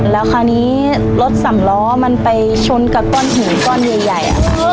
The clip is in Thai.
แล้วคราวนี้รถสำล้อมันไปชนกับก้อนหินก้อนใหญ่ค่ะ